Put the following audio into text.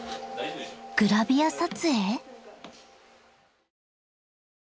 ［グラビア撮影！？］